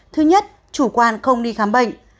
thứ nhất chủ quan không đi khám bệnh